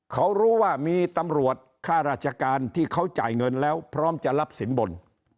เขารู้ว่ามีตำรวจค่าราชการที่เขาจ่ายเงินแล้วพร้อมจะรับสินบน